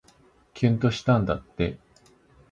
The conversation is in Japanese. きゅんとしたんだって